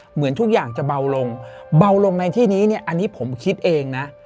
เหมือนทุกอย่างจะเบาลงเบาลงในที่นี้เนี่ยอันนี้ผมคิดเองนะ